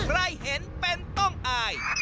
ใครเห็นเป็นต้องอาย